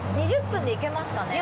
２０分で行けますかね？